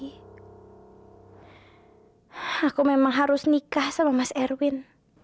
hai aku memang harus nikah sama mas erwin